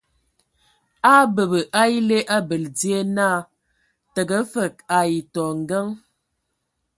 A a abəbə a ele abəl dzie naa tǝgə fəg ai tɔ ngǝŋ.